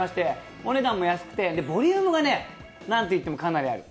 お値段も安くて、ボリュームがなんといっても、かなりある。